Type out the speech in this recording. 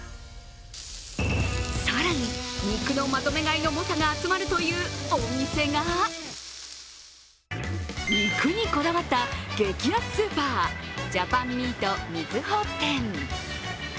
更に、肉のまとめ買いの猛者が集まるというお店が肉にこだわった激安スーパージャパンミート瑞穂店。